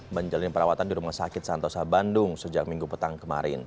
menjalani perawatan di rumah sakit santosa bandung sejak minggu petang kemarin